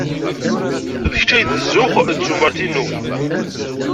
D kečč ay d zzux ed tumert-inu.